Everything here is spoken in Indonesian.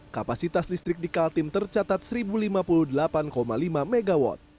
kapasitas listrik di kaltim tercatat satu lima puluh delapan lima mw